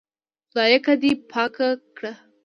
خدايکه دې پاکه کړه.